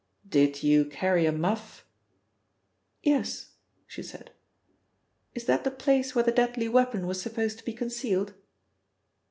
"Did you carry a muff?" "Yes," she said. "Is that the place where the deadly weapon was supposed to be concealed?"